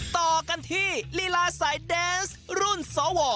ต่อกันที่ลีลาใส่หลุ่นสวอย